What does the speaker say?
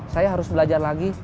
saya harus belajar lagi